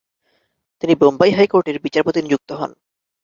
তিনি বোম্বাই হাইকোর্টের বিচারপতি নিযুক্ত হন।